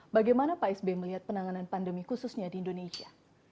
bagaimana pak sby melihat penanganan pandemi khususnya di indonesia